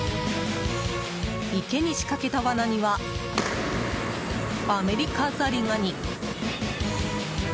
池に仕掛けた罠にはアメリカザリガニ。